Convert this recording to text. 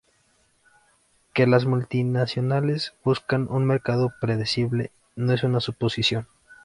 que las multinacionales buscan un mercado predecible no es una suposición